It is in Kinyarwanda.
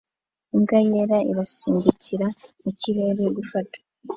Imbwa yera irasimbukira mu kirere gufata